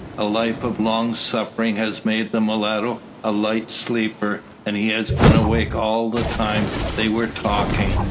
A life of long suffering has made the mulatto a light sleeper, and he has been awake all the time they were talking.